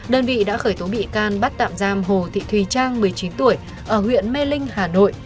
đơn vị đã khởi tố bị can bắt tạm giam hồ thị thùy trang một mươi chín tuổi ở huyện mê linh hà nội